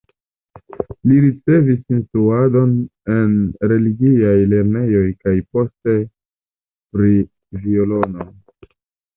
Li ricevis instruadon en religiaj lernejoj kaj poste pri violono.